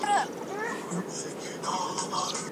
ناهیلي انسان په ستونزو کې ضعیف پاتې کیږي.